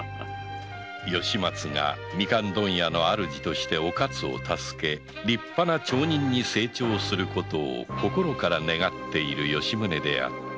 吉松がみかん問屋の主としてお勝を助け立派な町人に成長することを心から願う吉宗であった